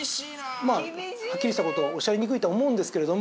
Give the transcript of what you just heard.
まあはっきりした事はおっしゃりにくいとは思うんですけれども。